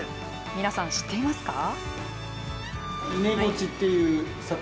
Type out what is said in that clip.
みなさん、知っていますか。